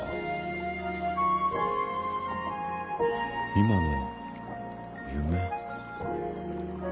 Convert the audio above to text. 今のは夢？